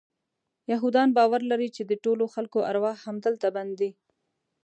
یهودان باور لري چې د ټولو خلکو ارواح همدلته بند دي.